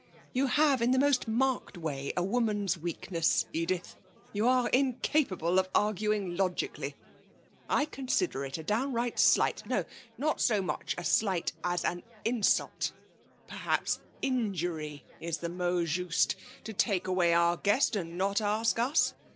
You have, in the most marked way, a woman's weakness, Edith. You're incapable of arguing logically. I consider it a downright slight; no, not so much a slight as an insult perhaps injury is the mot juste to take away our guest and not ask us.